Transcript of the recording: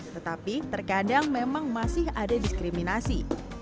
tetapi terkadang memang masih ada diskriminasi